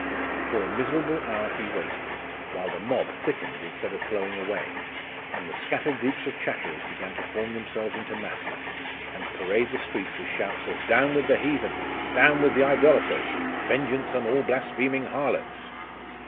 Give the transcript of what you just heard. For a miserable hour he waited, while the mob thickened instead of flowing away, and the scattered groups of chatterers began to form themselves into masses, and parade the streets with shouts of 'Down with the heathen!' 'Down with the idolaters!' 'Vengeance on all blaspheming harlots!